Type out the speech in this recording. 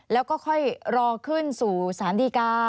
แล้วก็ค่อยรอขึ้นสู่สารดีกา